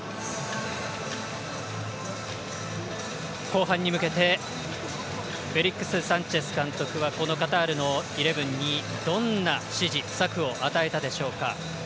後半に向けてフェリックス・サンチェス監督はこのカタールのイレブンにどんな指示、策を与えたでしょうか。